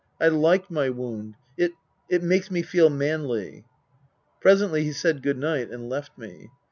I like my wound. It it makes me feel manly." Presently he said good night and left me.